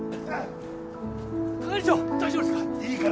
係長大丈夫ですか？